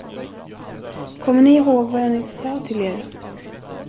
Kommer ni ihåg, vad jag nyss sade till er?